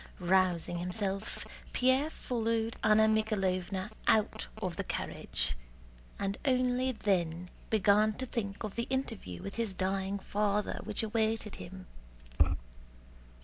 Rousing himself, Pierre followed Anna Mikháylovna out of the carriage, and only then began to think of the interview with his dying father which awaited him.